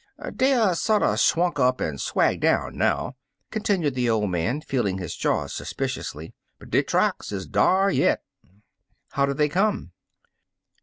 Deyer sorter swunk up an' swage down, now," contin ued the old man, feeling his jaws suspi ciously, "but dey tracks is dar yit." "How did they come?"